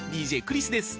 ＤＪクリスです。